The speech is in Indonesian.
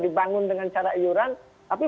dibangun dengan cara iuran tapi